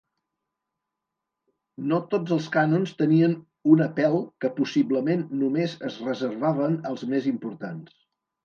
No tots els cànons tenien una pel que possiblement només es reservaven als més importants.